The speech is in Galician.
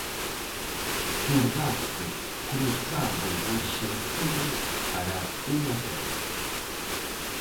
Zurdazo cruzado do arxentino para un a cero.